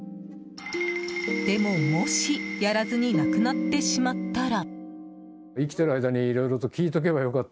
でも、もしやらずに亡くなってしまったら。